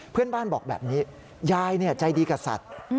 เพื่อนบ้านบอกแบบนี้ยายใจดีกับสัตว์